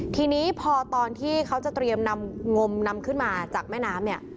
ทีนี้พอตอนที่เขาจะเตรียมนำงมนำขึ้นมาจากแม่น้ำเนี่ย